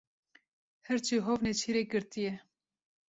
Hirçê hov nêçîrek girtiye.